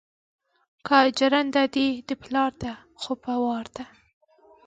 که جرنده دې د پلار ده خو په وار ده